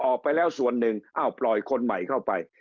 ออกไปแล้วส่วนหนึ่งอ้าวปล่อยคนใหม่เข้าไป